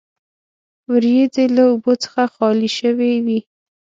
وریځې له اوبو څخه خالي شوې وې.